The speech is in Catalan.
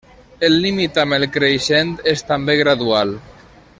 El límit amb el creixent és també gradual.